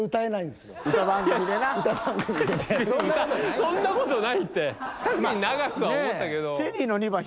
そんなことないでしょ。